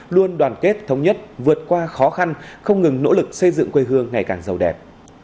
luôn đoàn kết thống nhất vượt qua khó khăn không ngừng nỗ lực xây dựng quê hương ngày càng giàu đẹp